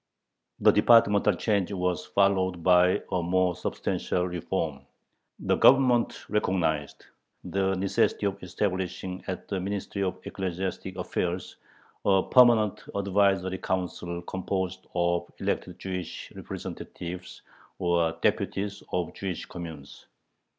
The departmental change was followed by a more substantial reform. The Government recognized the necessity of establishing at the Ministry of Ecclesiastic Affairs a permanent advisory council composed of elected Jewish representatives or "deputies of the Jewish communes."